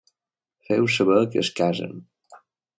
Feu saber que es casen.